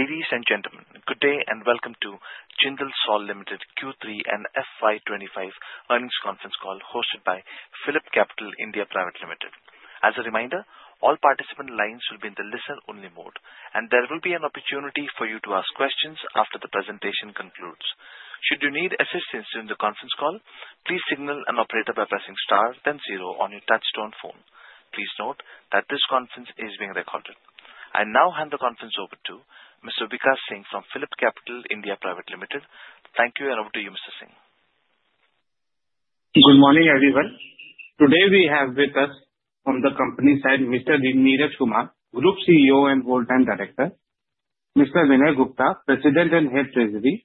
Ladies and gentlemen, good day and welcome to Jindal SAW Limited Q3 and FY25 Earnings Conference Call hosted by PhillipCapital (India) Private Limited. As a reminder, all participant lines will be in the listen-only mode, and there will be an opportunity for you to ask questions after the presentation concludes. Should you need assistance during the conference call, please signal an operator by pressing star then zero on your touch-tone phone. Please note that this conference is being recorded. I now hand the conference over to Mr. Vikash Singh from PhillipCapital (India) Private Limited. Thank you, and over to you, Mr. Singh. Good morning, everyone. Today we have with us from the company side, Mr. Neeraj Kumar, Group CEO and Whole-Time Director. Mr. Vinay Gupta, President and Head Treasury.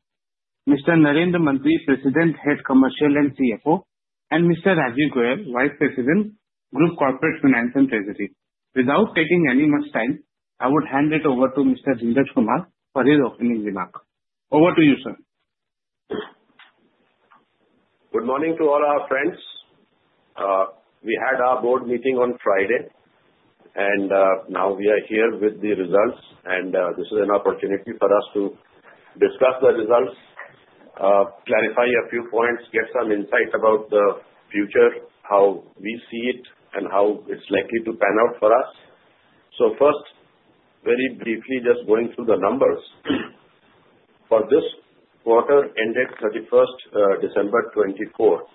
Mr. Narendra Mantri, President, Head Commercial and CFO. And Mr. Rajeev Goyal, Vice President, Group Corporate Finance and Treasury. Without taking any much time, I would hand it over to Mr. Neeraj Kumar for his opening remark. Over to you, sir. Good morning to all our friends. We had our board meeting on Friday, and now we are here with the results, and this is an opportunity for us to discuss the results, clarify a few points, get some insight about the future, how we see it, and how it's likely to pan out for us. So first, very briefly, just going through the numbers. For this quarter ended 31st December 2024,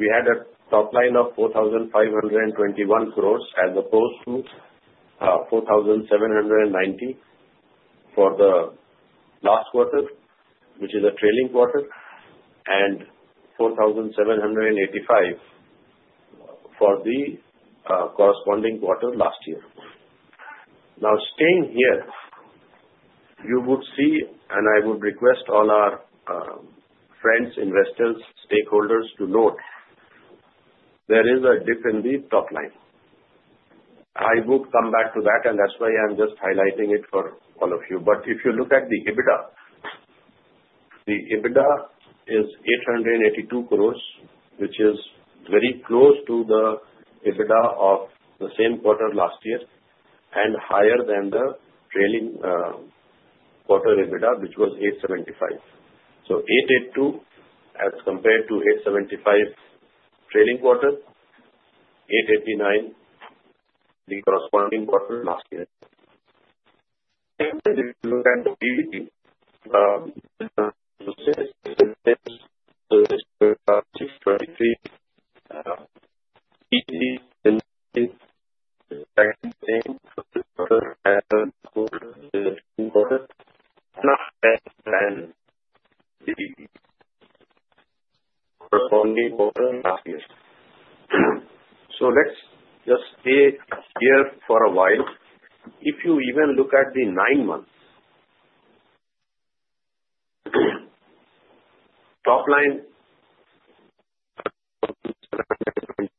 we had a top line of 4,521 crores as opposed to 4,790 for the last quarter, which is a trailing quarter, and 4,785 for the corresponding quarter last year. Now, staying here, you would see, and I would request all our friends, investors, stakeholders to note, there is a dip in the top line. I would come back to that, and that's why I'm just highlighting it for all of you. If you look at the EBITDA, the EBITDA is 882 crores, which is very close to the EBITDA of the same quarter last year and higher than the trailing quarter EBITDA, which was 875. 882 as compared to 875 trailing quarter, 889 the corresponding quarter last year. If you look at the EBITDA, the 2023 EBITDA is the same as the quarter and the corresponding quarter last year. Let's just stay here for a while. If you even look at the nine months, top line EBITDA 1,599 versus 2,254, EBITDA 853 versus 4,078, and tax 4,000 versus 1,485. If you look at just the consolidated results for a while, we see this result and we can expect it to be a good top line for the quarter that showed a bit of a dip of 50%. Last year, as a group. After the five months to the year nine months, the top line is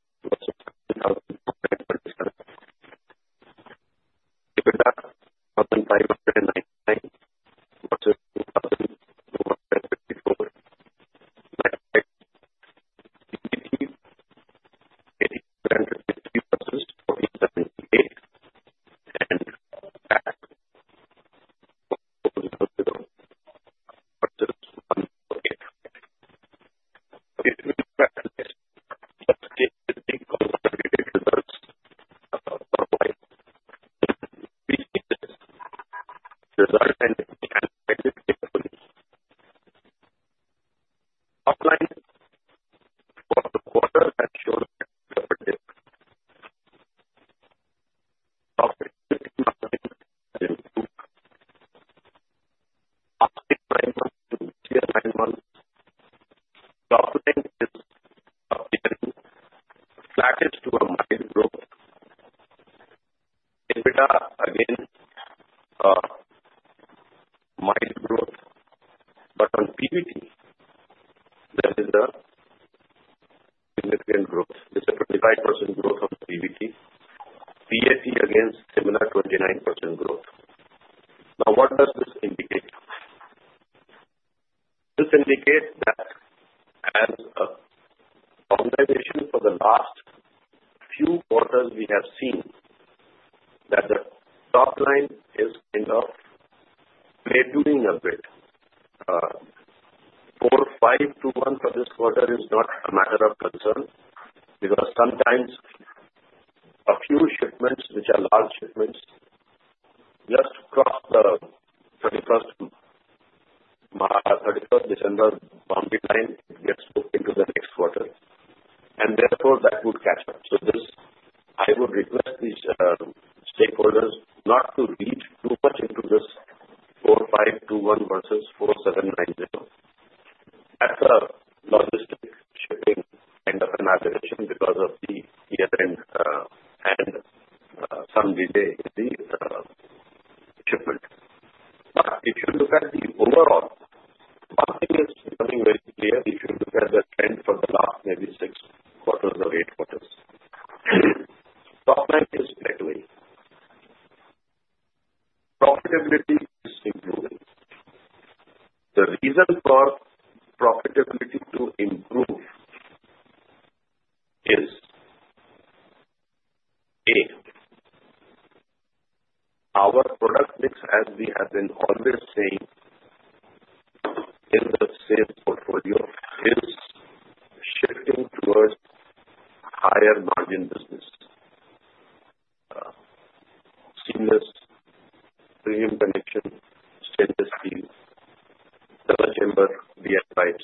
double chamber DI pipes,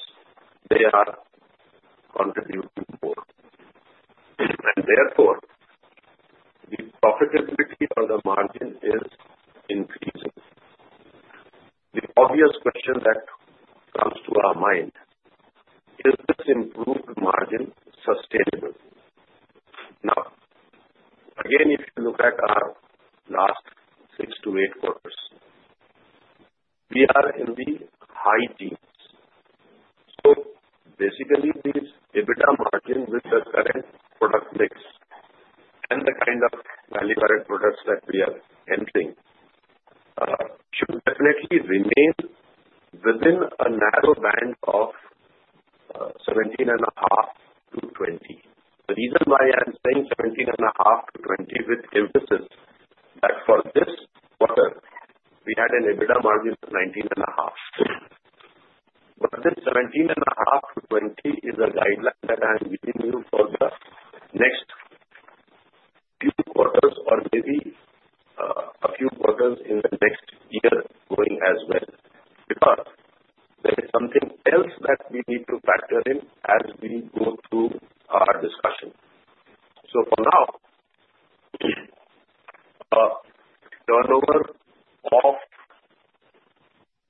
they are contributing more. And therefore, the profitability on the margin is increasing. The obvious question that comes to our mind is, is this improved margin sustainable? Now, again, if you look at our last six to eight quarters, we are in the high teens. So basically, these EBITDA margin with the current product mix and the kind of value-added products that we are entering should definitely remain within a narrow band of 17.5%-20%. The reason why I'm saying 17.5%-20% with emphasis is that for this quarter, we had an EBITDA margin of 19.5%. But this 17.5%-20% is a guideline that I'm giving you for the next few quarters or maybe a few quarters in the next year going as well because there is something else that we need to factor in as we go through our discussion. So for now, turnover of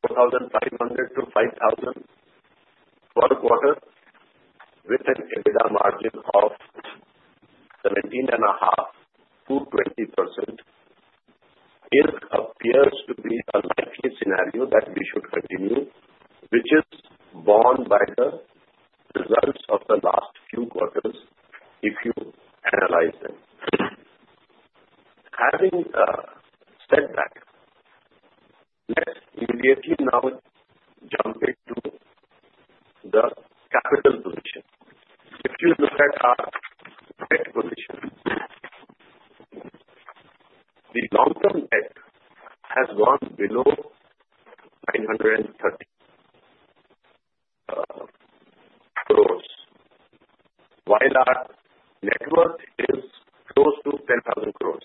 4,500-5,000 per quarter with an EBITDA margin of 17.5%-20% appears to be a likely scenario that we should continue, which is borne by the results of the last few quarters if you analyze them. Having said that, let's immediately now jump into the capital position. If you look at our debt position, the long-term debt has gone below 930 crores, while our net worth is close to 10,000 crores,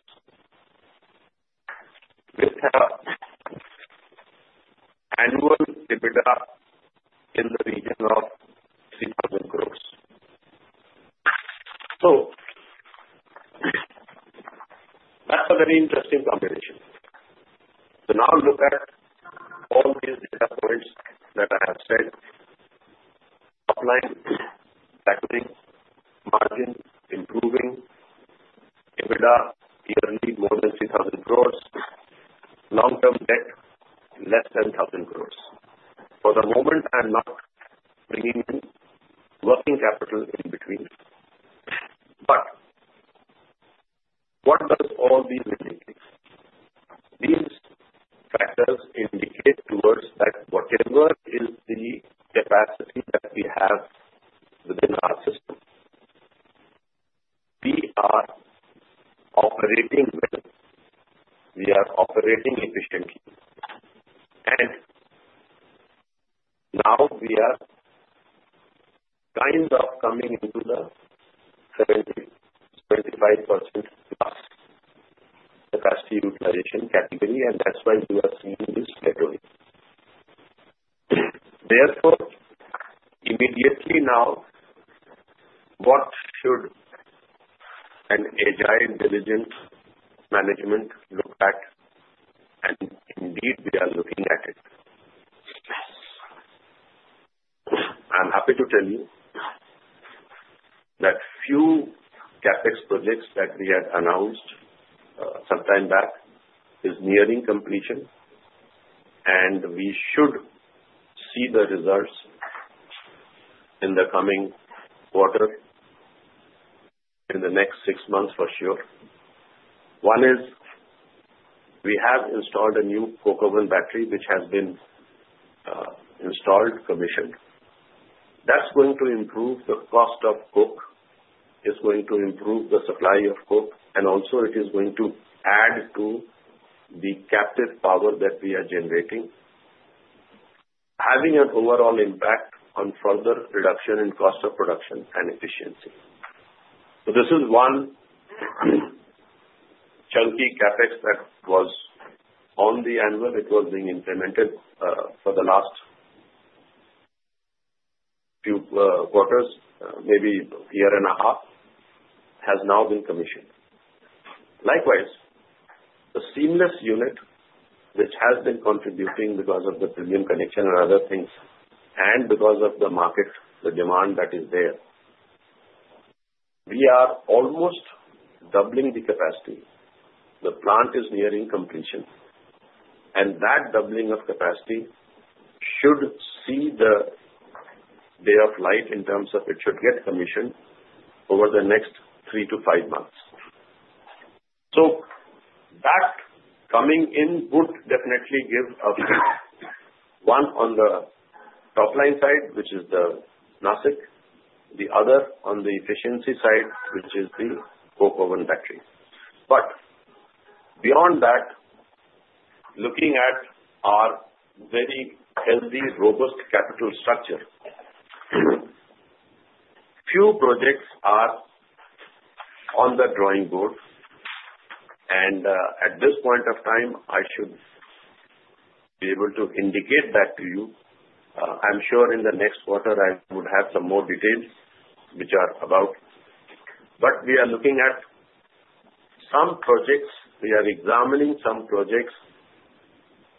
with annual EBITDA in the region of 6,000 crores. So that's a very interesting combination. So now look at all these data points that I have said: top line, factoring, margin improving, EBITDA yearly more than 3,000 crores, long-term debt less than 1,000 crores. For the moment, I'm not bringing in working capital in between. But what do all these indicate? These factors indicate towards that whatever is the capacity that we have within our system, we are operating well. We are operating efficiently. And now we are kind of coming into the 70%-75%+ capacity utilization category, and that's why we are seeing this upswing. Therefore, immediately now, what should an agile, diligent management look at? And indeed, we are looking at it. I'm happy to tell you that a few CapEx projects that we had announced some time back are nearing completion, and we should see the results in the coming quarter, in the next six months for sure. One is, we have installed a new coke oven battery, which has been installed, commissioned. That's going to improve the cost of coke, is going to improve the supply of coke, and also it is going to add to the captive power that we are generating, having an overall impact on further reduction in cost of production and efficiency. So this is one chunky CapEx that was on the anvil. It was being implemented for the last few quarters, maybe a year and a half, and has now been commissioned. Likewise, the seamless unit, which has been contributing because of the premium connection and other things, and because of the market, the demand that is there, we are almost doubling the capacity. The plant is nearing completion, and that doubling of capacity should see the light of day in terms of it should get commissioned over the next three to five months. So that coming in would definitely give a one on the top line side, which is the Nashik, the other on the efficiency side, which is the coke oven battery. But beyond that, looking at our very healthy, robust capital structure, few projects are on the drawing board, and at this point of time, I should be able to indicate that to you. I'm sure in the next quarter, I would have some more details which are about. But we are looking at some projects. We are examining some projects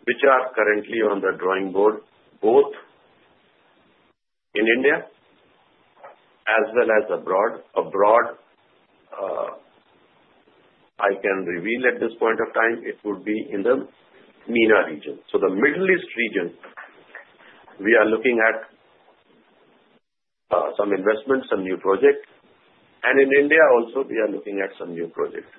which are currently on the drawing board, both in India as well as abroad. Abroad, I can reveal at this point of time, it would be in the MENA region, so the Middle East region, we are looking at some investments, some new projects, and in India also, we are looking at some new projects,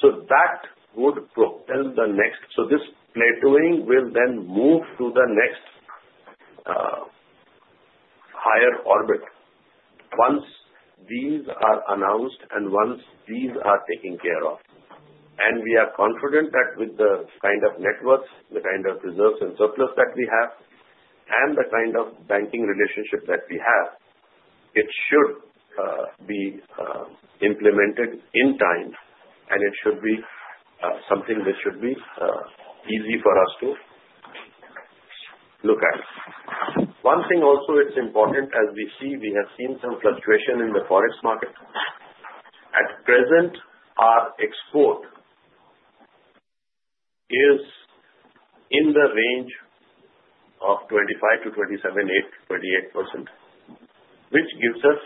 so that would propel the next. So this plateauing will then move to the next higher orbit once these are announced and once these are taken care of, and we are confident that with the kind of net worth, the kind of reserves and surplus that we have, and the kind of banking relationship that we have, it should be implemented in time, and it should be something which should be easy for us to look at. One thing also it's important, as we see, we have seen some fluctuation in the forex market. At present, our export is in the range of 25%-28%, which gives us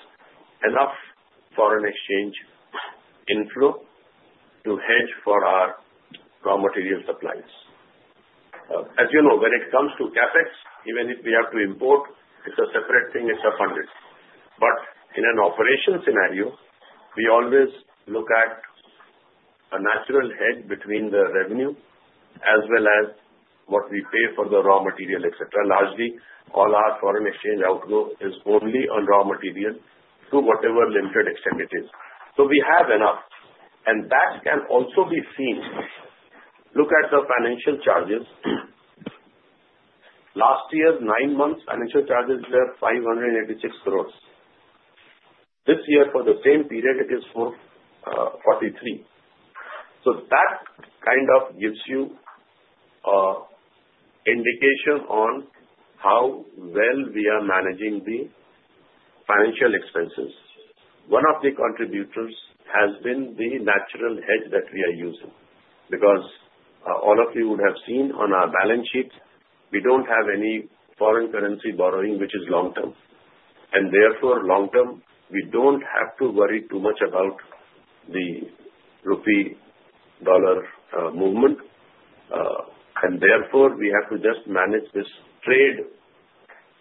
enough foreign exchange inflow to hedge for our raw material supplies. As you know, when it comes to CapEx, even if we have to import, it's a separate thing. It's a funded. But in an operation scenario, we always look at a natural hedge between the revenue as well as what we pay for the raw material, etc. Largely, all our foreign exchange outflow is only on raw material to whatever limited extent it is. So we have enough, and that can also be seen. Look at the financial charges. Last year, nine months, financial charges were 586 crores. This year, for the same period, it is 443 crores. That kind of gives you an indication on how well we are managing the financial expenses. One of the contributors has been the natural hedge that we are using because all of you would have seen on our balance sheet, we don't have any foreign currency borrowing, which is long-term. And therefore, long-term, we don't have to worry too much about the rupee-dollar movement. And therefore, we have to just manage this trade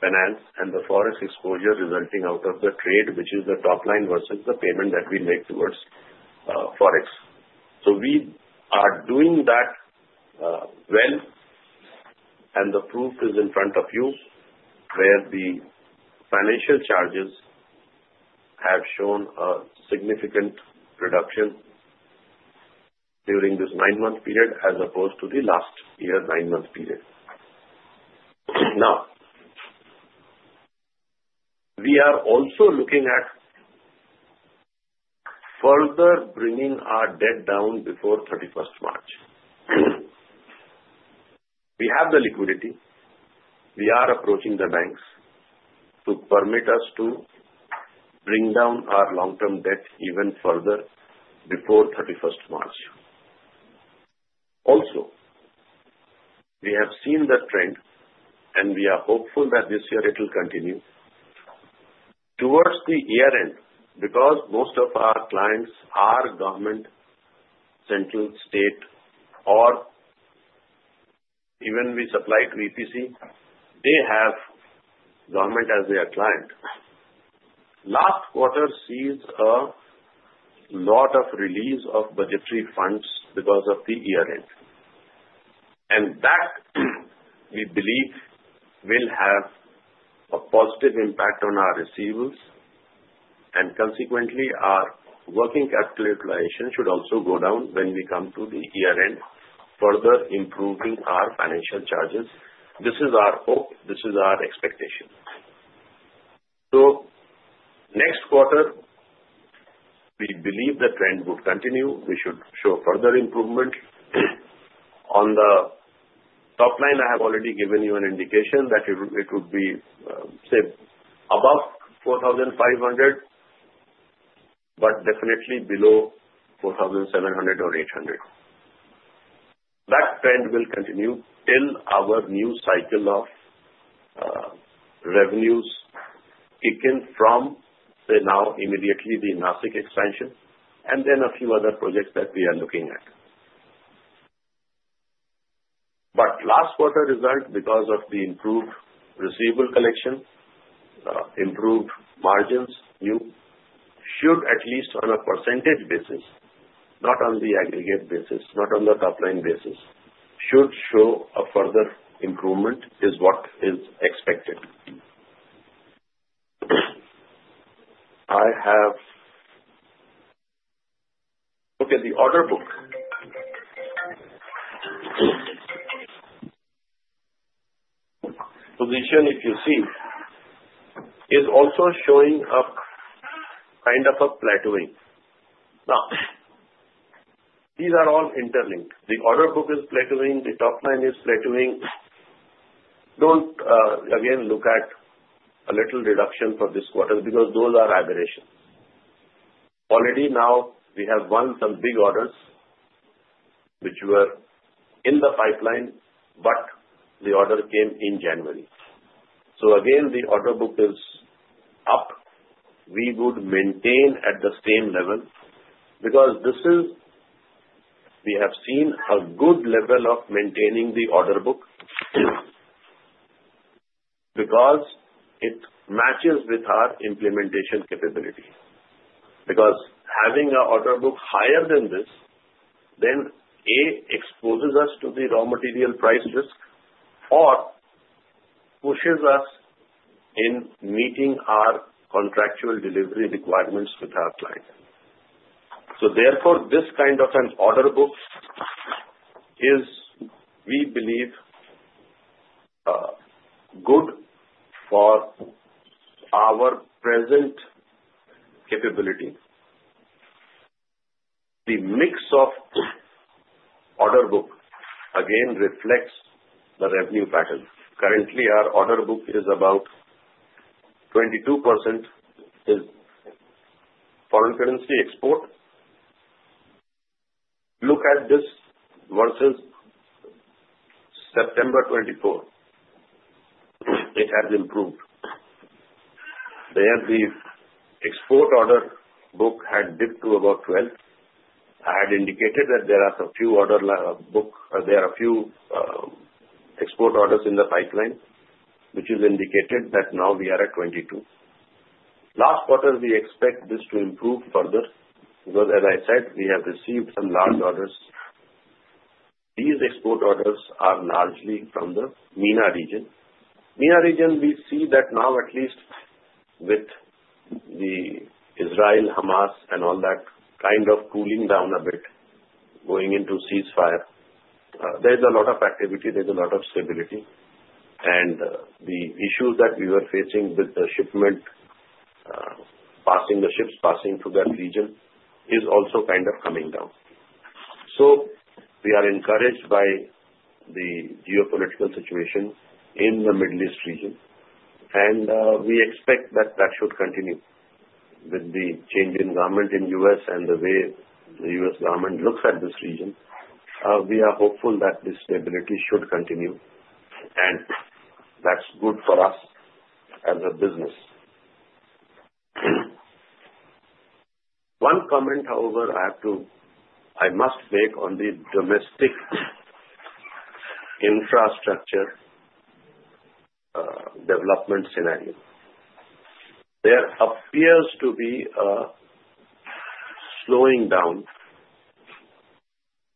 finance and the forex exposure resulting out of the trade, which is the top line versus the payment that we make towards forex. So we are doing that well, and the proof is in front of you where the financial charges have shown a significant reduction during this nine-month period as opposed to the last year nine-month period. Now, we are also looking at further bringing our debt down before 31st March. We have the liquidity. We are approaching the banks to permit us to bring down our long-term debt even further before 31st March. Also, we have seen the trend, and we are hopeful that this year it will continue towards the year-end because most of our clients are government, central, state, or even we supply to EPC. They have government as their client. Last quarter sees a lot of release of budgetary funds because of the year-end. And that, we believe, will have a positive impact on our receivables, and consequently, our working capital utilization should also go down when we come to the year-end, further improving our financial charges. This is our hope. This is our expectation. So next quarter, we believe the trend would continue. We should show further improvement. On the top line, I have already given you an indication that it would be, say, above 4,500, but definitely below 4,700 or 800. That trend will continue till our new cycle of revenues kick in from, say, now immediately the Nashik expansion and then a few other projects that we are looking at. But last quarter result, because of the improved receivable collection, improved margins, should at least on a percentage basis, not on the aggregate basis, not on the top line basis, should show a further improvement is what is expected. I have looked at the order book position, if you see, is also showing up kind of a plateauing. Now, these are all interlinked. The order book is plateauing. The top line is plateauing. Don't again look at a little reduction for this quarter because those are aberrations. Already now, we have won some big orders which were in the pipeline, but the order came in January. So again, the order book is up. We would maintain at the same level because this is we have seen a good level of maintaining the order book because it matches with our implementation capability. Because having an order book higher than this, then A, exposes us to the raw material price risk or pushes us in meeting our contractual delivery requirements with our client. So therefore, this kind of an order book is, we believe, good for our present capability. The mix of order book again reflects the revenue pattern. Currently, our order book is about 22% is foreign currency export. Look at this versus September 2024. It has improved. The export order book had dipped to about 12%. I had indicated that there are a few export orders in the pipeline, which is indicated that now we are at 22. Last quarter, we expect this to improve further because, as I said, we have received some large orders. These export orders are largely from the MENA region. MENA region, we see that now at least with the Israel, Hamas, and all that kind of cooling down a bit, going into ceasefire, there's a lot of activity. There's a lot of stability. And the issues that we were facing with the shipment, passing the ships, passing through that region is also kind of coming down. So we are encouraged by the geopolitical situation in the Middle East region, and we expect that that should continue with the change in government in the U.S. and the way the U.S. government looks at this region. We are hopeful that this stability should continue, and that's good for us as a business. One comment, however, I must make on the domestic infrastructure development scenario. There appears to be a slowing down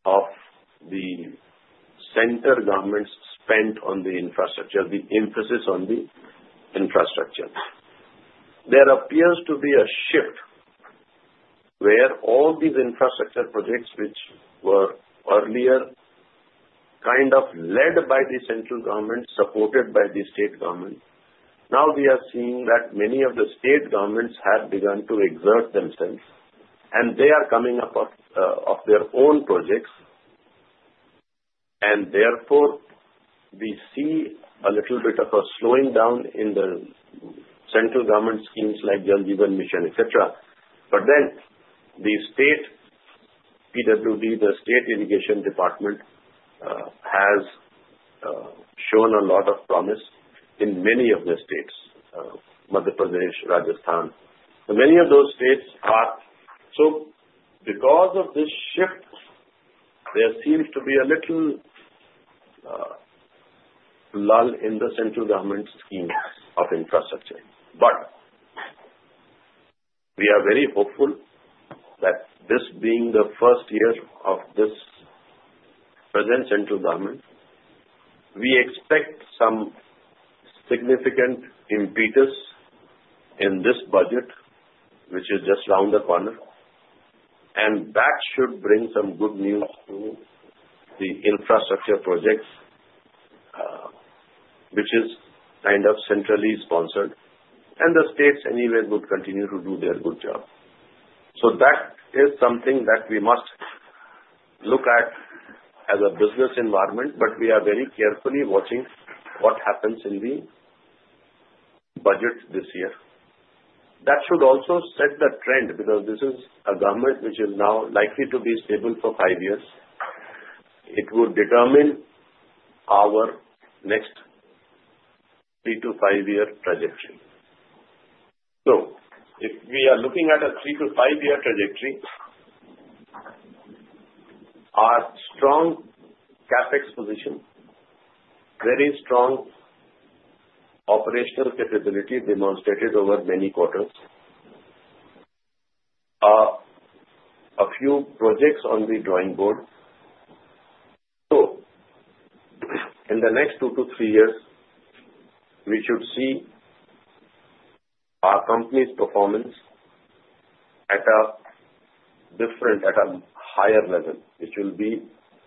of the central government's spend on the infrastructure, the emphasis on the infrastructure. There appears to be a shift where all these infrastructure projects, which were earlier kind of led by the central government, supported by the state government, now we are seeing that many of the state governments have begun to exert themselves, and they are coming up with their own projects, and therefore, we see a little bit of a slowing down in the central government schemes like the Jal Jeevan Mission, etc., but then the state PWD, the state Irrigation Department, has shown a lot of promise in many of the states, Madhya Pradesh, Rajasthan. So many of those states are slow because of this shift. There seems to be a little lull in the central government's schemes of infrastructure. But we are very hopeful that this being the first year of this present central government, we expect some significant impetus in this budget, which is just around the corner, and that should bring some good news to the infrastructure projects, which is kind of centrally sponsored, and the states anyway would continue to do their good job, so that is something that we must look at as a business environment, but we are very carefully watching what happens in the budget this year. That should also set the trend because this is a government which is now likely to be stable for five years. It would determine our next three- to five-year trajectory. So if we are looking at a three- to five-year trajectory, our strong CapEx position, very strong operational capability demonstrated over many quarters, a few projects on the drawing board, so in the next two to three years, we should see our company's performance at a different, at a higher level, which will be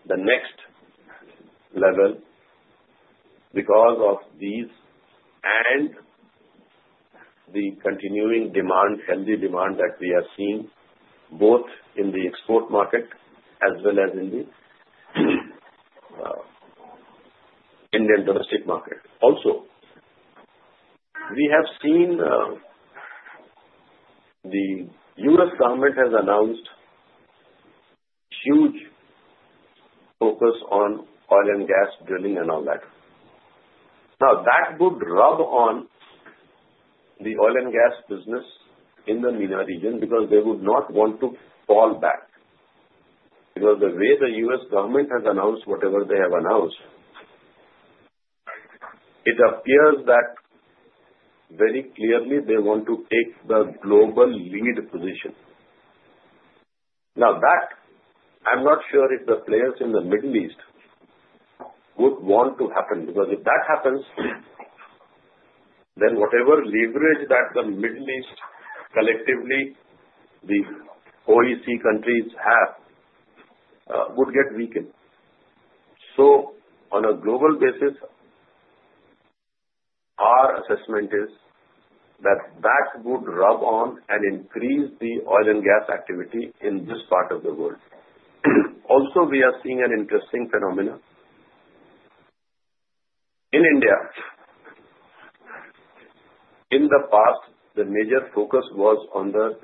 the next level because of these and the continuing demand, healthy demand that we have seen both in the export market as well as in the Indian domestic market. Also, we have seen the U.S. government has announced huge focus on oil and gas drilling and all that. Now, that would rub on the oil and gas business in the MENA region because they would not want to fall back. Because the way the U.S. government has announced whatever they have announced, it appears that very clearly they want to take the global lead position. Now, that I'm not sure if the players in the Middle East would want to happen because if that happens, then whatever leverage that the Middle East collectively, the OPEC countries have, would get weakened. So on a global basis, our assessment is that that would rub on and increase the oil and gas activity in this part of the world. Also, we are seeing an interesting phenomenon. In India, in the past, the major focus was on the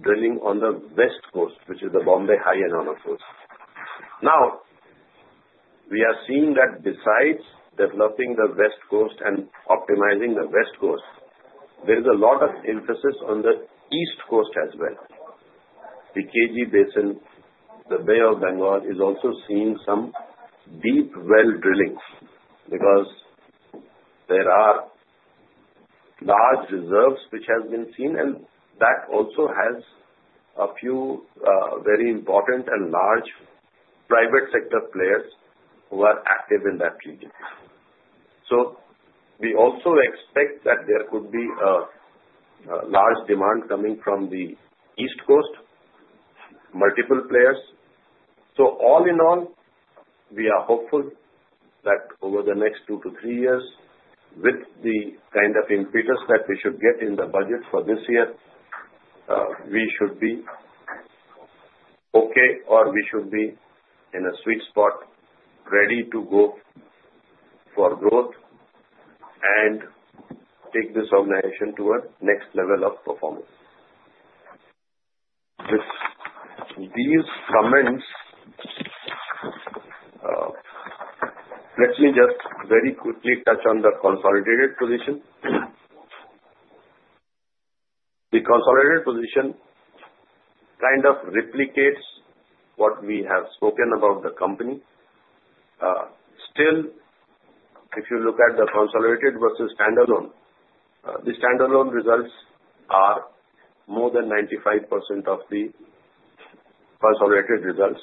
drilling on the West Coast, which is the Bombay High Coast. Now, we are seeing that besides developing the West Coast and optimizing the West Coast, there is a lot of emphasis on the East Coast as well. The KG Basin, the Bay of Bengal is also seeing some deep well drilling because there are large reserves which have been seen, and that also has a few very important and large private sector players who are active in that region. So we also expect that there could be a large demand coming from the East Coast, multiple players. So all in all, we are hopeful that over the next two to three years, with the kind of impetus that we should get in the budget for this year, we should be okay or we should be in a sweet spot ready to go for growth and take this organization to a next level of performance. These comments, let me just very quickly touch on the consolidated position. The consolidated position kind of replicates what we have spoken about the company. Still, if you look at the consolidated versus standalone, the standalone results are more than 95% of the consolidated results.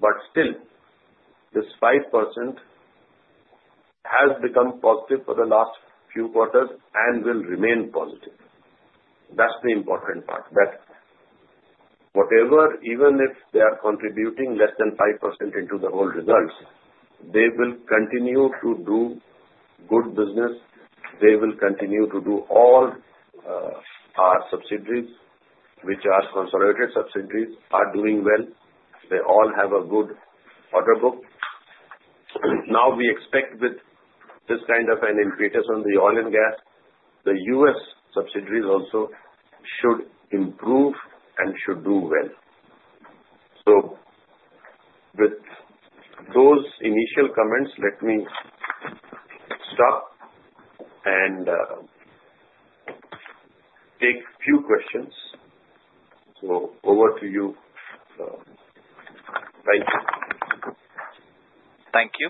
But still, this 5% has become positive for the last few quarters and will remain positive. That's the important part that whatever, even if they are contributing less than 5% into the whole results, they will continue to do good business. They will continue to do all our subsidiaries, which are consolidated subsidiaries, are doing well. They all have a good order book. Now, we expect with this kind of an impetus on the oil and gas, the U.S. subsidiaries also should improve and should do well. So with those initial comments, let me stop and take a few questions. So over to you. Thank you. Thank you.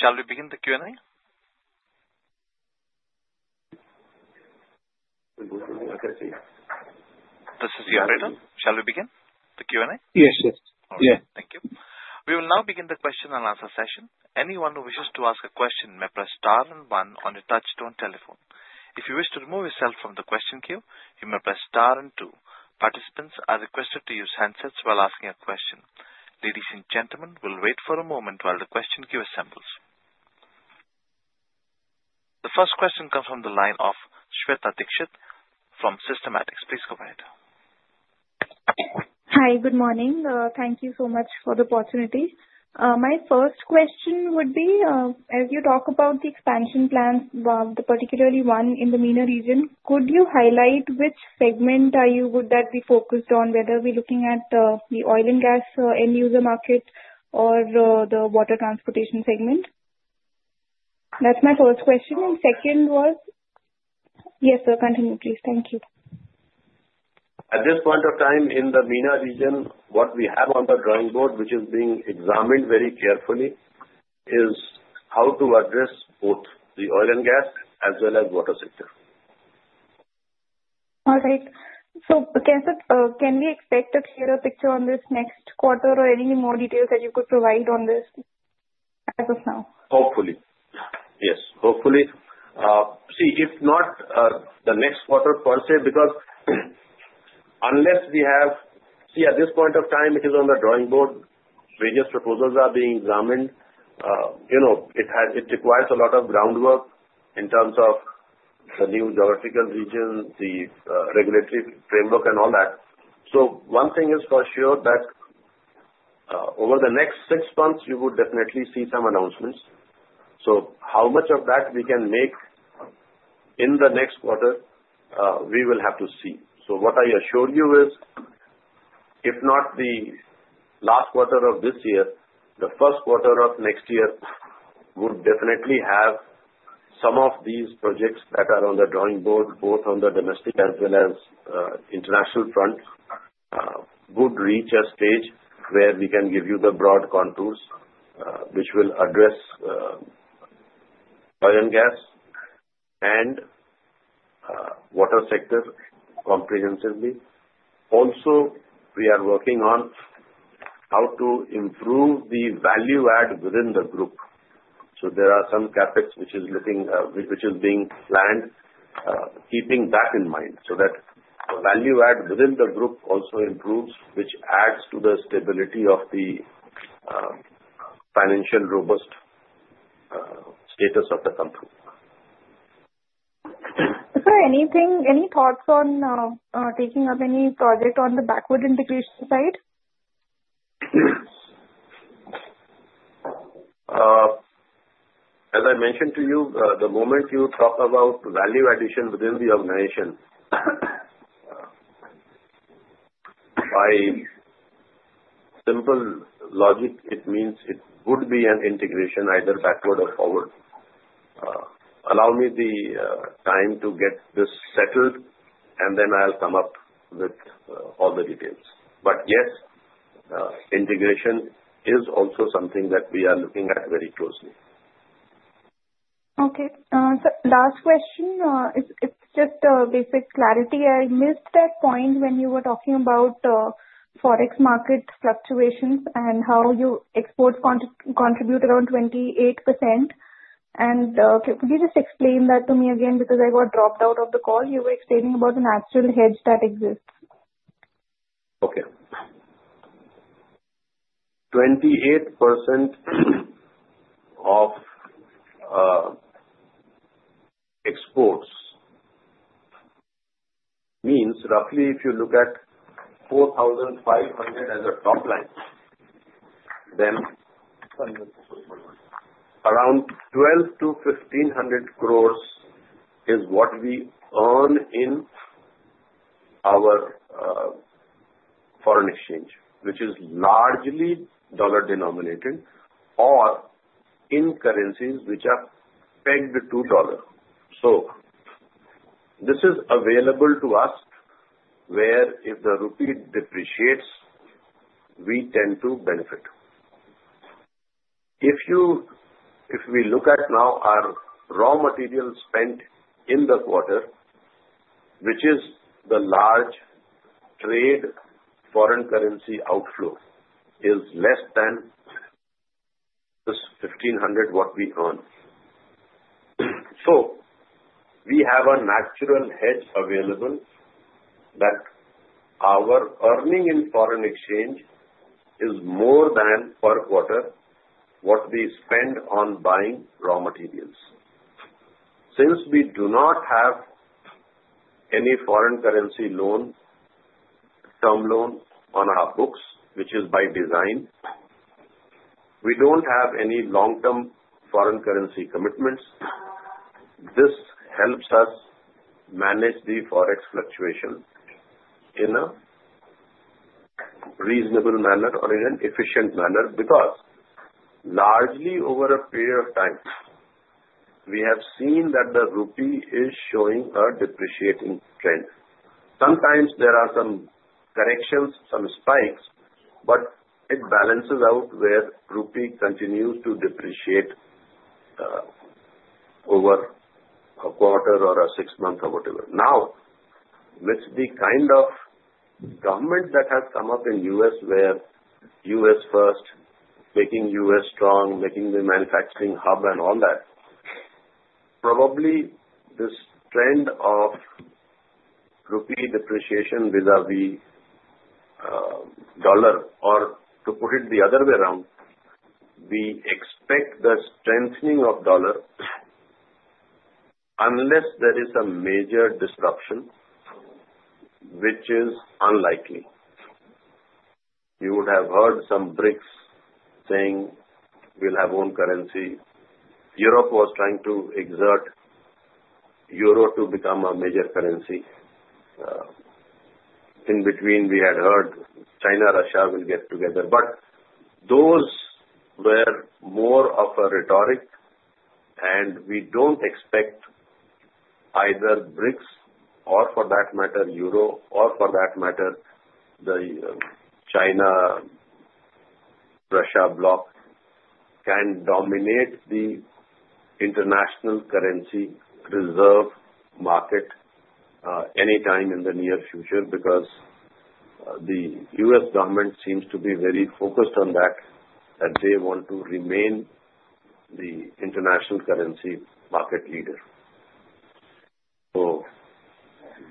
Shall we begin the Q&A? This is Jindal. Shall we begin the Q&A? Yes, yes. Yeah. Thank you. We will now begin the question and answer session. Anyone who wishes to ask a question may press star and one on your touch-tone telephone. If you wish to remove yourself from the question queue, you may press star and two. Participants are requested to use handsets while asking a question. Ladies and gentlemen, we'll wait for a moment while the question queue assembles. The first question comes from the line of Shweta Dikshit from Systematix Group. Please go ahead. Hi. Good morning. Thank you so much for the opportunity. My first question would be, as you talk about the expansion plans, particularly one in the MENA region, could you highlight which segment would that be focused on, whether we're looking at the oil and gas end-user market or the water transportation segment? That's my first question. And second was yes, sir. Continue, please. Thank you. At this point of time in the MENA region, what we have on the drawing board, which is being examined very carefully, is how to address both the oil and gas as well as water sector. All right, so can we expect to hear a picture on this next quarter or any more details that you could provide on this as of now? Hopefully, yes. Hopefully. See, if not the next quarter per se, because unless we have, see, at this point of time, it is on the drawing board. Various proposals are being examined. It requires a lot of groundwork in terms of the new geographical region, the regulatory framework, and all that. So one thing is for sure that over the next six months, you would definitely see some announcements. So how much of that we can make in the next quarter, we will have to see. So what I assure you is, if not the last quarter of this year, the first quarter of next year would definitely have some of these projects that are on the drawing board, both on the domestic as well as international front, would reach a stage where we can give you the broad contours which will address oil and gas and water sector comprehensively. Also, we are working on how to improve the value add within the group. So there are some CapEx which is looking which is being planned, keeping that in mind so that the value add within the group also improves, which adds to the stability of the financial robust status of the company. Is there any thoughts on taking up any project on the backward integration side? As I mentioned to you, the moment you talk about value addition within the organization, by simple logic, it means it would be an integration either backward or forward. Allow me the time to get this settled, and then I'll come up with all the details. But yes, integration is also something that we are looking at very closely. Okay. Last question. It's just basic clarity. I missed that point when you were talking about forex market fluctuations and how your exports contribute around 28%. And could you just explain that to me again because I got dropped out of the call? You were explaining about the natural hedge that exists. Okay. 28% of exports means roughly, if you look at 4,500 as a top line, then around 1,200-1,500 crores is what we earn in our foreign exchange, which is largely dollar denominated or in currencies which are pegged to dollar. So this is available to us where if the rupee depreciates, we tend to benefit. If we look at now our raw materials spent in the quarter, which is the large trade foreign currency outflow, is less than this 1,500 what we earn. So we have a natural hedge available that our earning in foreign exchange is more than per quarter what we spend on buying raw materials. Since we do not have any foreign currency loan, term loan on our books, which is by design, we don't have any long-term foreign currency commitments. This helps us manage the forex fluctuation in a reasonable manner or in an efficient manner because largely over a period of time, we have seen that the rupee is showing a depreciating trend. Sometimes there are some corrections, some spikes, but it balances out where rupee continues to depreciate over a quarter or a six month or whatever. Now, with the kind of government that has come up in the U.S. where U.S. first, making U.S. strong, making the manufacturing hub and all that, probably this trend of rupee depreciation vis-à-vis dollar or to put it the other way around, we expect the strengthening of dollar unless there is a major disruption, which is unlikely. You would have heard some BRICS saying, "We'll have own currency." Europe was trying to exert euro to become a major currency. In between, we had heard China, Russia will get together. But those were more of a rhetoric, and we don't expect either BRICS or for that matter, Euro or for that matter, the China-Russia bloc can dominate the international currency reserve market anytime in the near future because the U.S. government seems to be very focused on that, that they want to remain the international currency market leader. So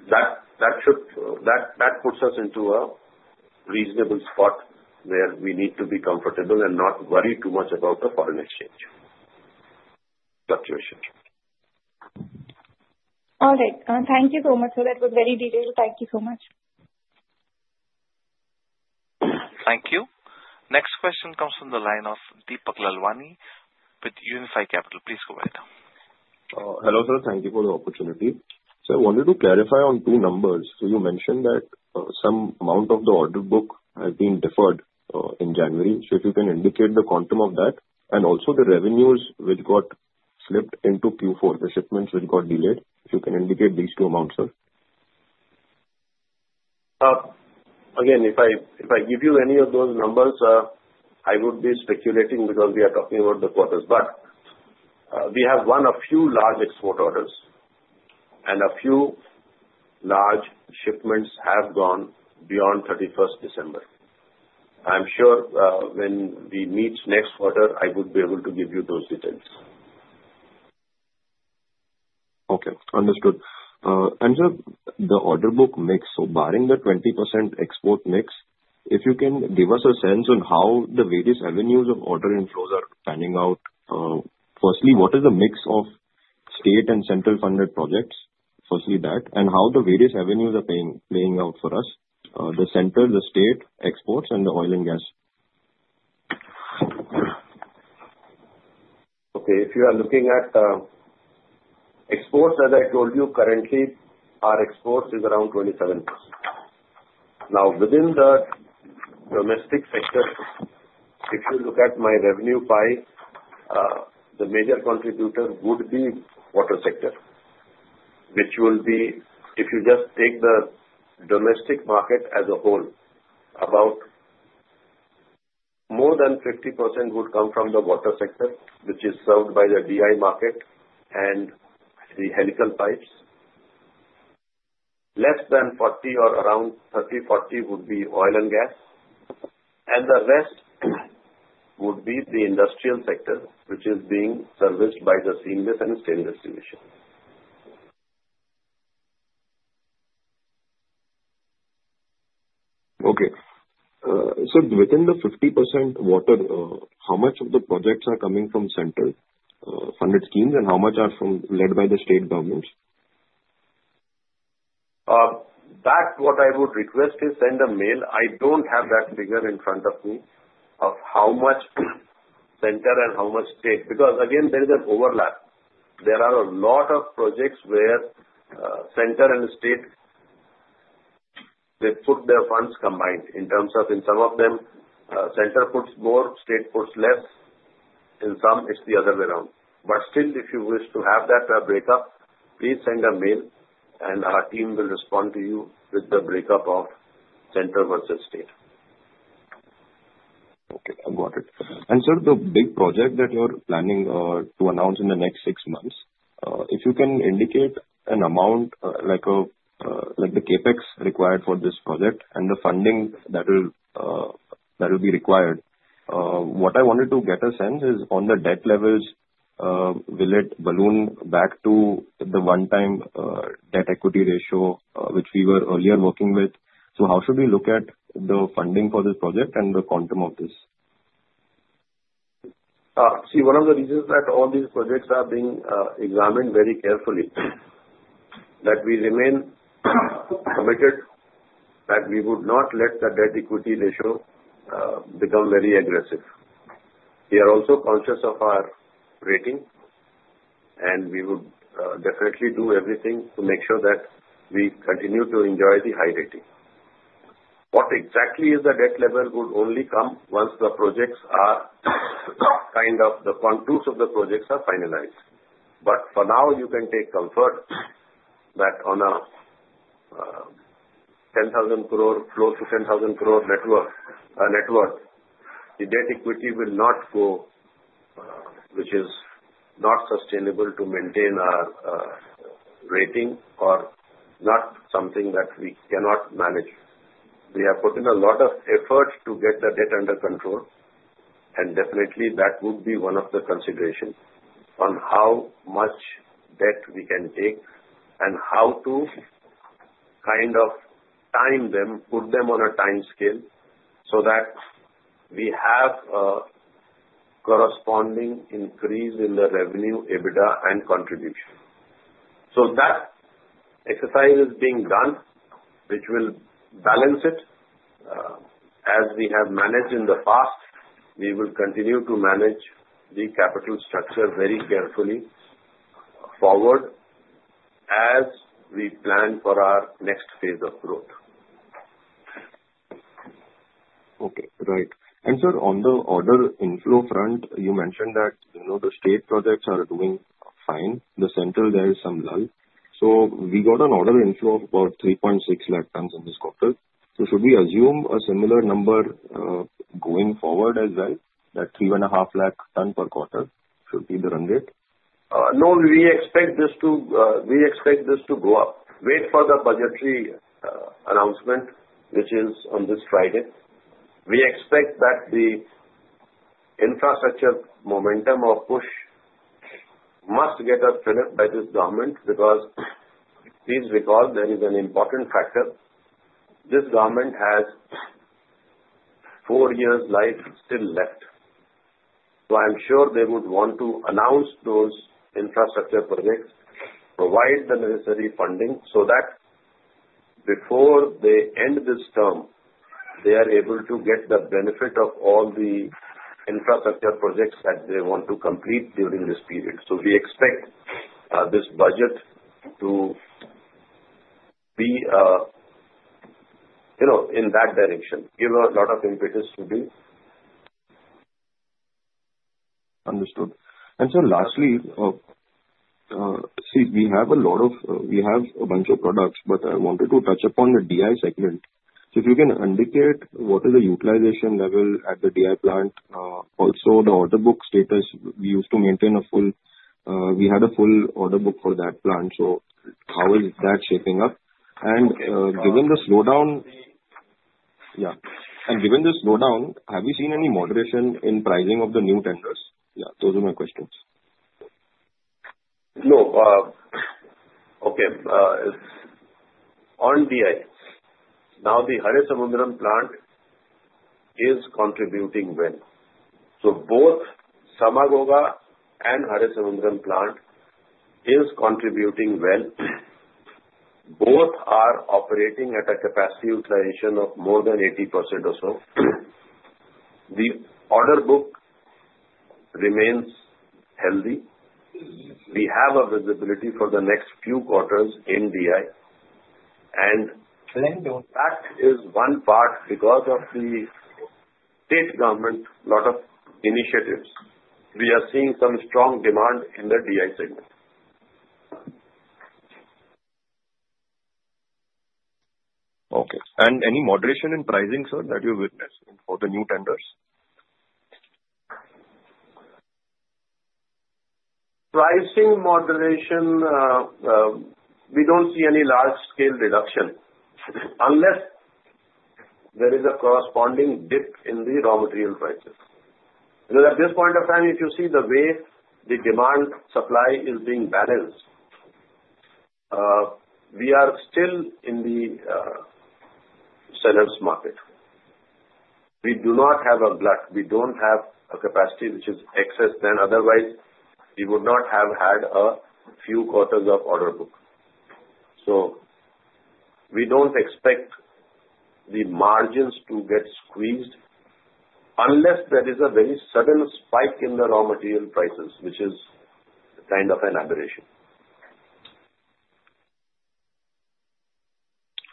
that puts us into a reasonable spot where we need to be comfortable and not worry too much about the foreign exchange fluctuation. All right. Thank you so much. So that was very detailed. Thank you so much. Thank you. Next question comes from the line of Deepak Lalwani with Unifi Capital. Please go ahead. Hello, sir. Thank you for the opportunity. So I wanted to clarify on two numbers. So you mentioned that some amount of the order book has been deferred in January. So if you can indicate the quantum of that and also the revenues which got slipped into Q4, the shipments which got delayed, if you can indicate these two amounts, sir. Again, if I give you any of those numbers, I would be speculating because we are talking about the quarters. But we have one of few large export orders, and a few large shipments have gone beyond 31st December. I'm sure when we meet next quarter, I would be able to give you those details. Okay. Understood. And sir, the order book makes so barring the 20% export mix, if you can give us a sense on how the various avenues of order inflows are panning out. Firstly, what is the mix of state and central funded projects? Firstly, that, and how the various avenues are playing out for us, the center, the state, exports, and the oil and gas? Okay. If you are looking at exports, as I told you, currently our exports is around 27%. Now, within the domestic sector, if you look at my revenue pie, the major contributor would be water sector, which will be, if you just take the domestic market as a whole, about more than 50% would come from the water sector, which is served by the DI market and the helical pipes. Less than 40% or around 30-40% would be oil and gas. And the rest would be the industrial sector, which is being serviced by the seamless and stainless steel pipes. Okay. So within the 50% water, how much of the projects are coming from central funded schemes, and how much are led by the state governments? That what I would request is send a mail. I don't have that figure in front of me of how much center and how much state. Because again, there is an overlap. There are a lot of projects where center and state, they put their funds combined in terms of in some of them, center puts more, state puts less. In some, it's the other way around. But still, if you wish to have that breakup, please send a mail, and our team will respond to you with the breakup of center versus state. Okay. I got it. And sir, the big project that you're planning to announce in the next six months, if you can indicate an amount like the CapEx required for this project and the funding that will be required? What I wanted to get a sense is on the debt levels, will it balloon back to the one-time debt equity ratio which we were earlier working with? So how should we look at the funding for this project and the quantum of this? See, one of the reasons that all these projects are being examined very carefully is that we remain committed that we would not let the debt equity ratio become very aggressive. We are also conscious of our rating, and we would definitely do everything to make sure that we continue to enjoy the high rating. The exact debt level would only come once the quantum of the projects is finalized. But for now, you can take comfort that on a 10,000 crore CapEx to 10,000 crore net worth, the debt equity will not go, which is not sustainable to maintain our rating or not something that we cannot manage. We have put in a lot of effort to get the debt under control, and definitely that would be one of the considerations on how much debt we can take and how to kind of time them, put them on a time scale so that we have a corresponding increase in the revenue, EBITDA, and contribution. So that exercise is being done, which will balance it. As we have managed in the past, we will continue to manage the capital structure very carefully forward as we plan for our next phase of growth. Okay. Right. And sir, on the order inflow front, you mentioned that the state projects are doing fine. The central, there is some lull. So we got an order inflow of about 3.6 lakh tons in this quarter. So should we assume a similar number going forward as well, that 3.5 lakh tons per quarter should be the run rate? No, we expect this to go up. Wait for the budgetary announcement, which is on this Friday. We expect that the infrastructure momentum or push must get us set up by this government because please recall, there is an important factor. This government has four years' life still left. So I'm sure they would want to announce those infrastructure projects, provide the necessary funding so that before they end this term, they are able to get the benefit of all the infrastructure projects that they want to complete during this period. So we expect this budget to be in that direction, give a lot of impetus to do. Understood. And sir, lastly, see, we have a bunch of products, but I wanted to touch upon the DI segment. So if you can indicate what is the utilization level at the DI plant. Also, the order book status, we used to maintain a full order book for that plant. So how is that shaping up? And given the slowdown, have you seen any moderation in pricing of the new tenders? Yeah, those are my questions. No. Okay. On DI, now the Harasamudram plant is contributing well. So both Samaghogha and Harasamudram plant is contributing well. Both are operating at a capacity utilization of more than 80% or so. The order book remains healthy. We have a visibility for the next few quarters in DI. And that is one part because of the state government, a lot of initiatives. We are seeing some strong demand in the DI segment. Okay. And any moderation in pricing, sir, that you witnessed for the new tenders? Pricing moderation, we don't see any large-scale reduction unless there is a corresponding dip in the raw material prices. Because at this point of time, if you see the way the demand supply is being balanced, we are still in the seller's market. We do not have a glut. We don't have a capacity which is excess. Then otherwise, we would not have had a few quarters of order book. So we don't expect the margins to get squeezed unless there is a very sudden spike in the raw material prices, which is kind of an aberration.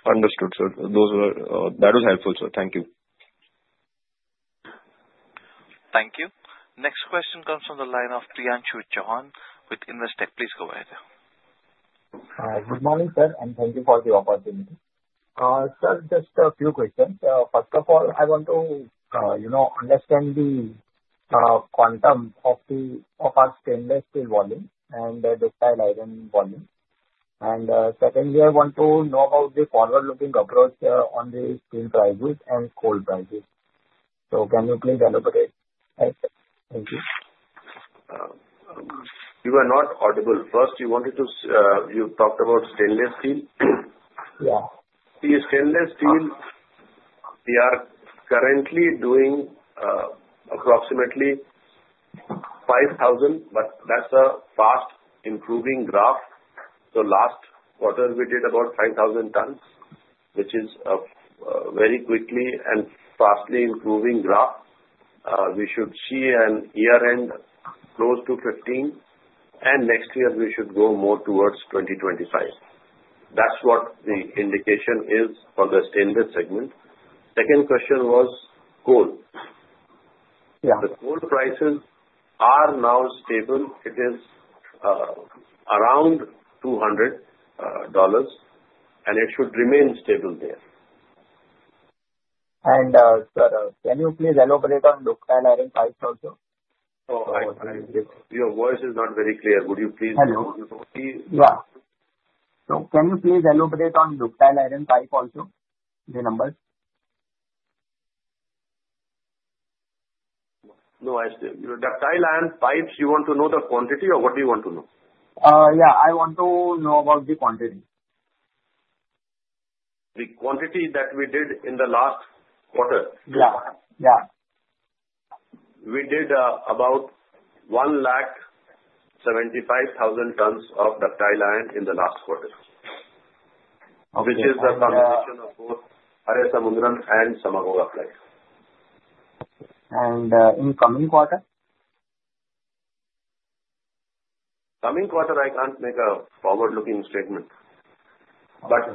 Understood, sir. That was helpful, sir. Thank you. Thank you. Next question comes from the line of Priyanshi Chauhan with Investec. Please go ahead. Good morning, sir, and thank you for the opportunity. Sir, just a few questions. First of all, I want to understand the quantum of our stainless steel volume and the ductile iron volume. And secondly, I want to know about the forward-looking approach on the steel prices and coal prices. So can you please elaborate? Thank you. You are not audible. First, you talked about stainless steel. Yeah. See, stainless steel, we are currently doing approximately 5,000, but that's a fast improving graph. So last quarter, we did about 5,000 tons, which is a very quickly and fastly improving graph. We should see a year-end close to 15, and next year, we should go more towards 2025. That's what the indication is for the stainless segment. Second question was coal. The coal prices are now stable. It is around $200, and it should remain stable there. And sir, can you please elaborate on ductile iron pipes also? Oh, your voice is not very clear. Would you please? Hello. Yeah. So can you please elaborate on ductile iron pipe also, the numbers? No. Ductile iron pipes, you want to know the quantity or what do you want to know? Yeah. I want to know about the quantity. The quantity that we did in the last quarter? Yeah. Yeah. We did about 175,000 tons of ductile iron in the last quarter, which is the combination of both Harasamudram and Samaghogha pipe. And in coming quarter? Coming quarter, I can't make a forward-looking statement. But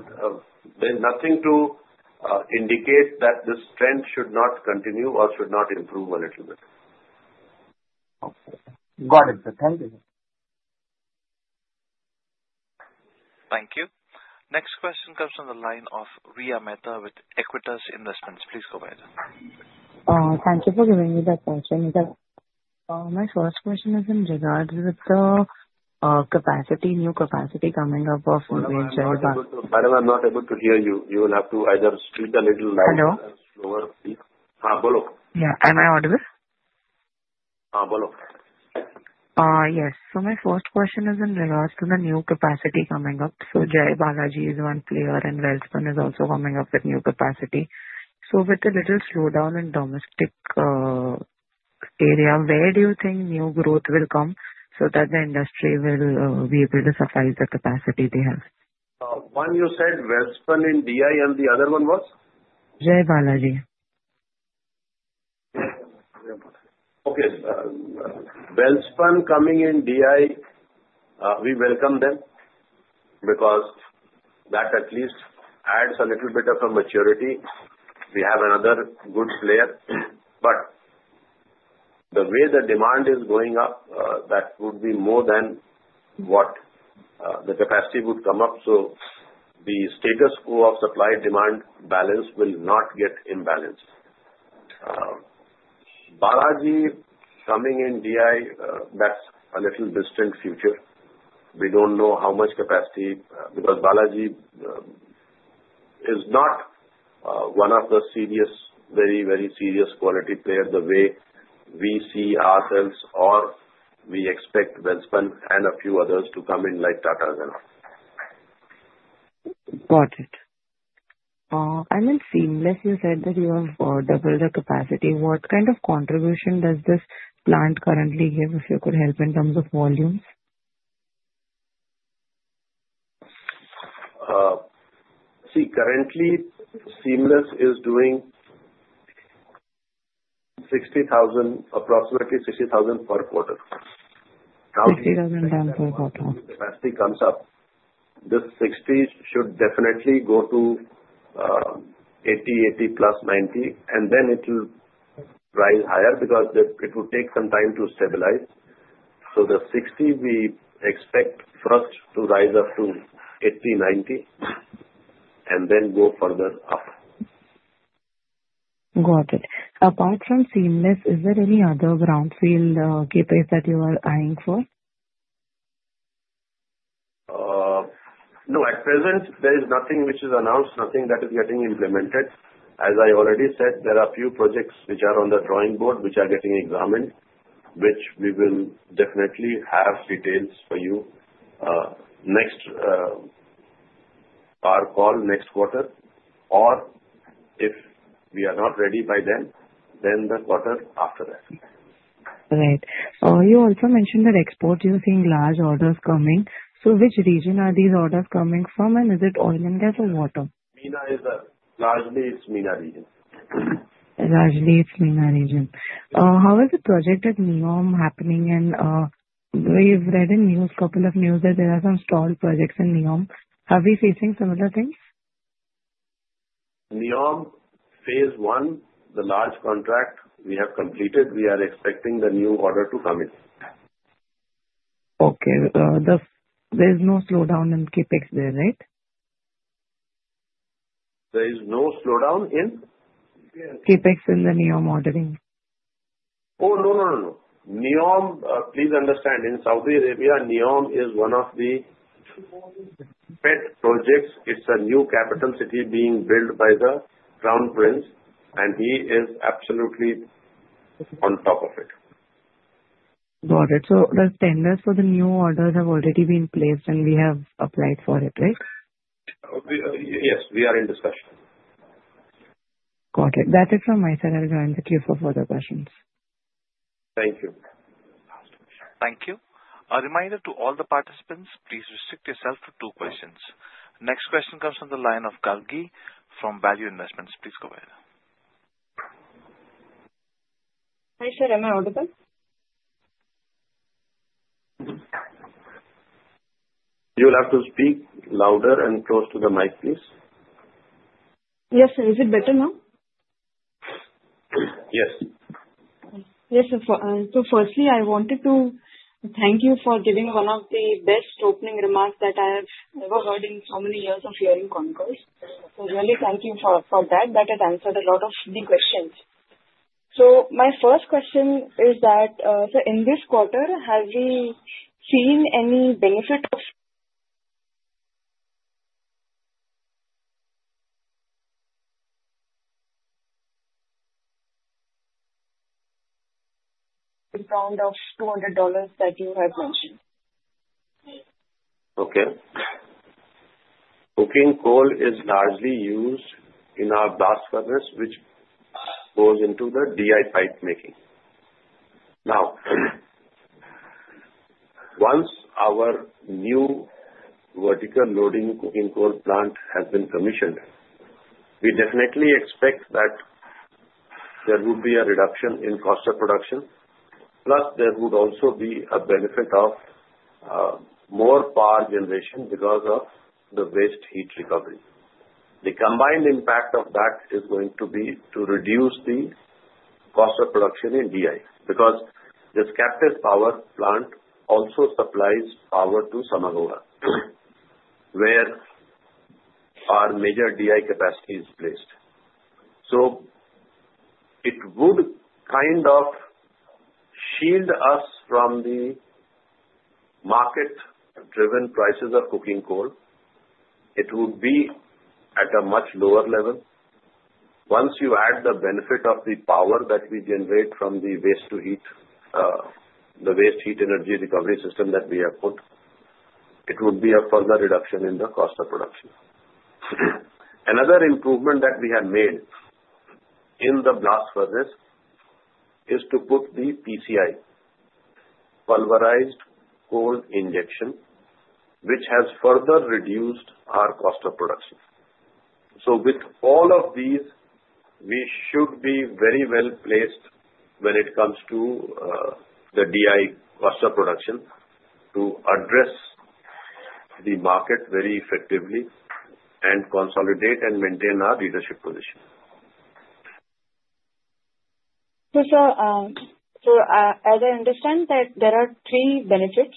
there's nothing to indicate that the strength should not continue or should not improve a little bit. Got it, sir. Thank you. Thank you. Next question comes from the line of Riya Mehta with Aequitas Investments. Please go ahead. Thank you for giving me that question. My first question is in regards with the capacity, new capacity coming up of ductile iron pipes. Madam, I'm not able to hear you. You will have to either speak a little louder. Hello? Slower. Hello? Yeah. Am I audible? Hello? Yes. So my first question is in regards to the new capacity coming up. So, Jai Balaji is one player, and Welspun is also coming up with new capacity. So with the little slowdown in domestic area, where do you think new growth will come so that the industry will be able to suffice the capacity they have? One, you said Welspun in DI, and the other one was? Jai Balaji. Okay. Welspun coming in DI, we welcome them because that at least adds a little bit of a maturity. We have another good player. But the way the demand is going up, that would be more than what the capacity would come up. So the status quo of supply-demand balance will not get imbalanced. Balaji coming in DI, that's a little distant future. We don't know how much capacity because Balaji is not one of the serious, very, very serious quality players the way we see ourselves, or we expect Welspun and a few others to come in like Tata and all. Got it. And in seamless, you said that you have doubled the capacity. What kind of contribution does this plant currently give, if you could help, in terms of volumes? See, currently, seamless is doing 60,000, approximately 60,000 per quarter. 60,000 tons per quarter. Capacity comes up. The 60,000 should definitely go to 80,000, 80,000+, 90,000, and then it will rise higher because it will take some time to stabilize. So the 60, we expect first to rise up to 80,000, 90,000, and then go further up. Got it. Apart from seamless, is there any other greenfield capacity that you are eyeing for? No. At present, there is nothing which is announced, nothing that is getting implemented. As I already said, there are a few projects which are on the drawing board which are getting examined, which we will definitely have details for you on our call next quarter. Or if we are not ready by then, then the quarter after that. Right. You also mentioned that export, you're seeing large orders coming. So which region are these orders coming from, and is it oil and gas or water? MENA is largely its MENA region. How is the project at NEOM happening? We've read in news, a couple of news, that there are some stalled projects in NEOM. Are we facing similar things? NEOM, phase one, the large contract we have completed. We are expecting the new order to come in. Okay. There's no slowdown in CapEx there, right? There is no slowdown in CapEx in the NEOM ordering. Oh, no, no, no, no. NEOM, please understand, in Saudi Arabia, NEOM is one of the pet projects. It's a new capital city being built by the Crown Prince, and he is absolutely on top of it. Got it. So the stainless for the new orders have already been placed, and we have applied for it, right? Yes. We are in discussion. Got it. That's it from my side. I'll join the queue for further questions. Thank you. Thank you. A reminder to all the participants, please restrict yourself to two questions. Next question comes from the line of Gargi from Value Investments. Please go ahead. Hi sir, am I audible? You'll have to speak louder and close to the mic, please. Yes, sir. Is it better now? Yes. Yes, sir. Firstly, I wanted to thank you for giving one of the best opening remarks that I have ever heard in so many years of hearing conferences. Really, thank you for that. That has answered a lot of the questions. My first question is that, so in this quarter, have we seen any benefit of around $200 that you have mentioned? Okay. Coking coal is largely used in our blast furnace, which goes into the DI pipe making. Now, once our new vertical loading coking coal plant has been commissioned, we definitely expect that there would be a reduction in cost of production. Plus, there would also be a benefit of more power generation because of the waste heat recovery. The combined impact of that is going to be to reduce the cost of production in DI because this captive power plant also supplies power to Samaghogha, where our major DI capacity is placed. So it would kind of shield us from the market-driven prices of coking coal. It would be at a much lower level. Once you add the benefit of the power that we generate from the waste heat, the waste heat energy recovery system that we have put, it would be a further reduction in the cost of production. Another improvement that we have made in the blast furnace is to put the PCI, pulverized coal injection, which has further reduced our cost of production. With all of these, we should be very well placed when it comes to the DI cost of production to address the market very effectively and consolidate and maintain our leadership position. Sir, as I understand, there are three benefits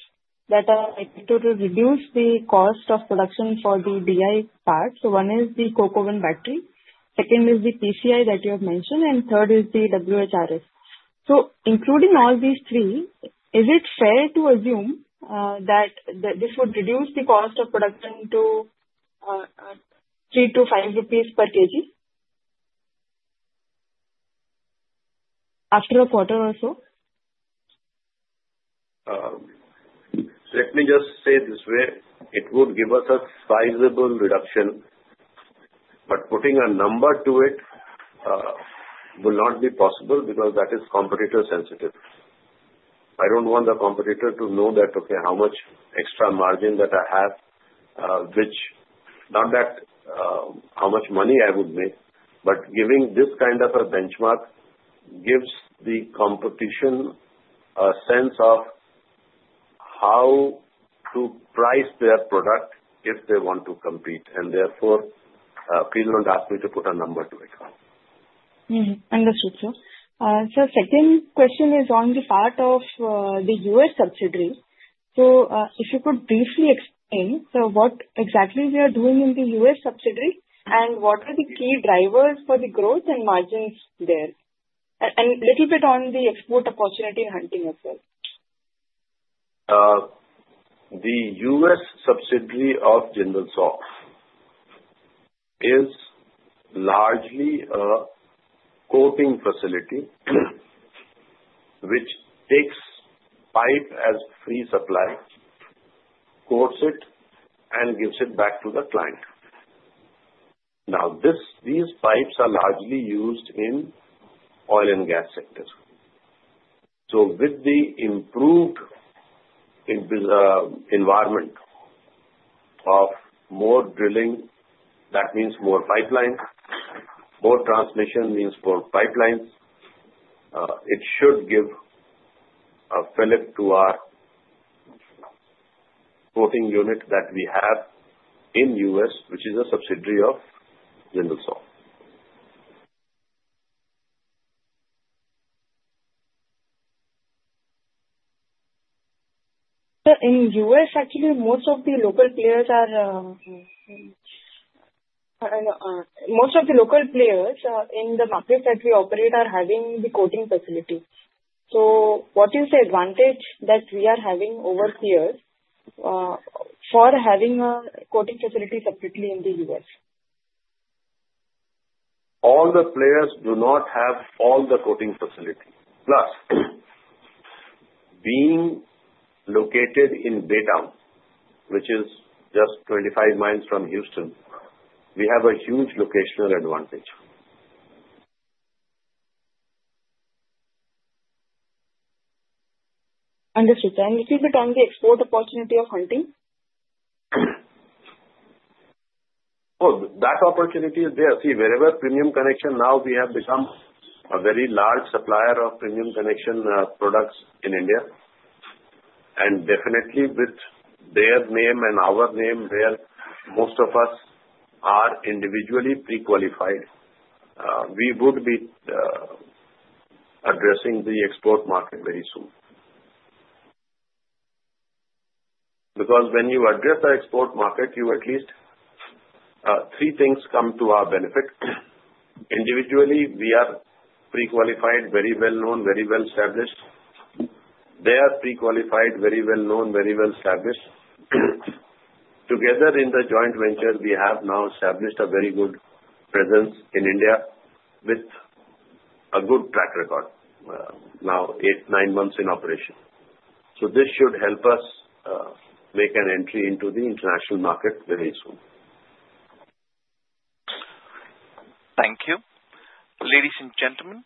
that are able to reduce the cost of production for the DI part. One is the coke oven battery. Second is the PCI that you have mentioned. And third is the WHRS. Including all these three, is it fair to assume that this would reduce the cost of production to 3-5 rupees per kg after a quarter or so? Let me just say this way. It would give us a sizable reduction. But putting a number to it will not be possible because that is competitor-sensitive. I don't want the competitor to know that, okay, how much extra margin that I have, which not that how much money I would make. But giving this kind of a benchmark gives the competition a sense of how to price their product if they want to compete. And therefore, people don't ask me to put a number to it. Understood, sir. Second question is on the part of the U.S. subsidiary. If you could briefly explain, so what exactly we are doing in the U.S. subsidiary and what are the key drivers for the growth and margins there? And a little bit on the export opportunity in Hunting as well. The U.S. subsidiary of Jindal Saw is largely a coating facility which takes pipe as free supply, coats it, and gives it back to the client. Now, these pipes are largely used in oil and gas sector. With the improved environment of more drilling, that means more pipelines. More transmission means more pipelines. It should give a fillip to our coating unit that we have in the U.S., which is a subsidiary of Jindal Saw. In the U.S., actually, most of the local players in the market that we operate are having the coating facility. So what is the advantage that we are having over here for having a coating facility separately in the U.S.? All the players do not have the coating facility. Plus, being located in Baytown, which is just 25 miles from Houston, we have a huge locational advantage. Understood. A little bit on the export opportunity of Hunting? Oh, that opportunity is there. See, wherever premium connection now, we have become a very large supplier of premium connection products in India. Definitely, with their name and our name there, most of us are individually pre-qualified. We would be addressing the export market very soon. Because when you address the export market, at least three things come to our benefit. Individually, we are pre-qualified, very well-known, very well-established. They are pre-qualified, very well-known, very well-established. Together, in the joint venture, we have now established a very good presence in India with a good track record, now eight, nine months in operation. So this should help us make an entry into the international market very soon. Thank you. Ladies and gentlemen,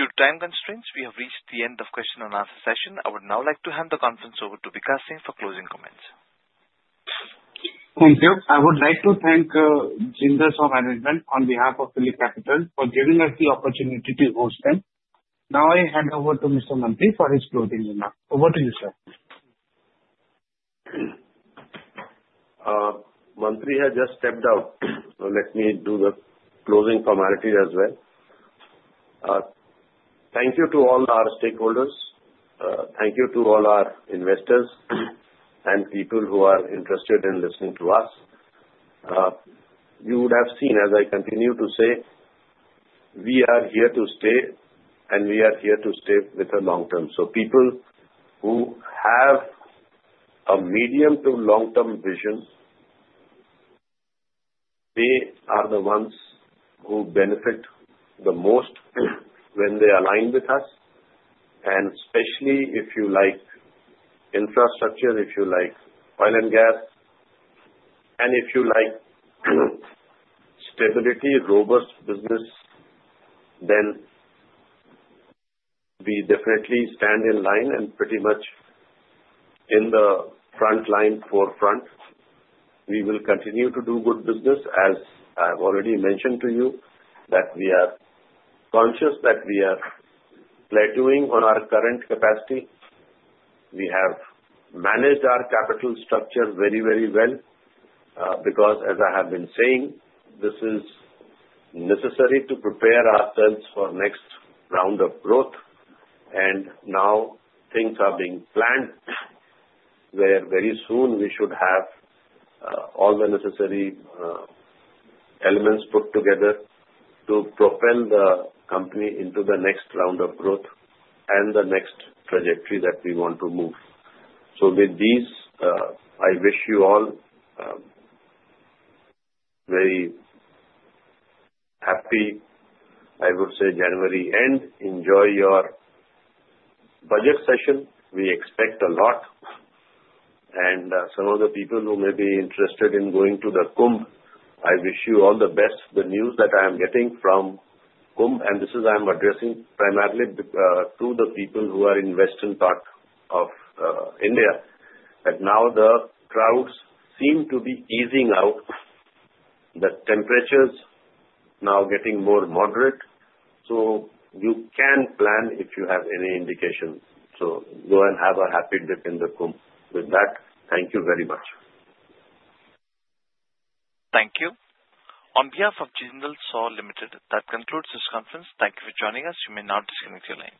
due to time constraints, we have reached the end of question and answer session. I would now like to hand the conference over to Vikash Singh for closing comments. Thank you. I would like to thank the Jindal Saw management on behalf of PhillipCapital for giving us the opportunity to host them. Now, I hand over to Mr. Mantri for his closing remarks. Over to you, sir. Mr. Mantri has just stepped out. Let me do the closing formality as well. Thank you to all our stakeholders. Thank you to all our investors and people who are interested in listening to us. You would have seen, as I continue to say, we are here to stay, and we are here to stay with the long term. People who have a medium to long-term vision are the ones who benefit the most when they align with us. Especially if you like infrastructure, if you like oil and gas, and if you like stability, robust business, we definitely stand in line and pretty much in the front line, forefront. We will continue to do good business. As I've already mentioned to you, that we are conscious that we are plateauing on our current capacity. We have managed our capital structure very, very well because, as I have been saying, this is necessary to prepare ourselves for the next round of growth. And now, things are being planned where very soon we should have all the necessary elements put together to propel the company into the next round of growth and the next trajectory that we want to move. So with these, I wish you all a very happy, I would say, January end. Enjoy your budget session. We expect a lot. And some of the people who may be interested in going to the Kumbh, I wish you all the best. The news that I am getting from Kumbh, and this is I am addressing primarily to the people who are in western part of India, that now the crowds seem to be easing out. The temperature's now getting more moderate. So you can plan if you have any indication. So go and have a happy dip in the Kumbh. With that, thank you very much. Thank you. On behalf of Jindal Saw Limited, that concludes this conference. Thank you for joining us. You may now disconnect your line.